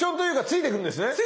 ついてくるんです。